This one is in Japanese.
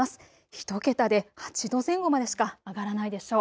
１桁で８度前後までしか上がらないでしょう。